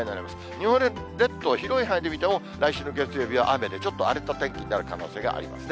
日本列島、広い範囲で見ても、来週の月曜日は雨で、ちょっと荒れた天気になる可能性がありますね。